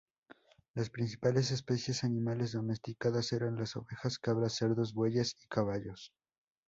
Las principales especies animales domesticados eran las ovejas, cabras, cerdos, bueyes y caballos.